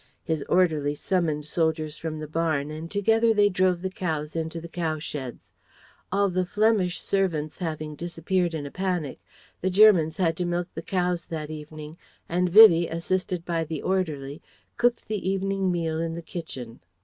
His orderly summoned soldiers from the barn and together they drove the cows into the cow sheds. All the Flemish servants having disappeared in a panic, the Germans had to milk the cows that evening; and Vivie, assisted by the orderly, cooked the evening meal in the kitchen.